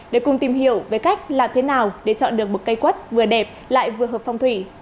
để cùng tìm hiểu về cách làm thế nào để chọn được một cây quất vừa đẹp lại vừa hợp phong thủy